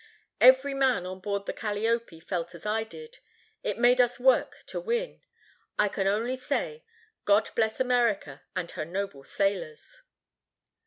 Every man on board the Calliope felt as I did; it made us work to win. I can only say, God bless America and her noble sailors."